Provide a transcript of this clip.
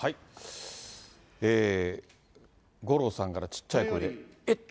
五郎さんから、ちっちゃい声で、えっ？